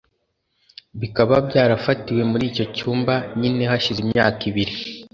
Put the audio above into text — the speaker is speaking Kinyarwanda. Bikaba byarafatiwe muri icyo cyumba nyine hashize imyaka ibiri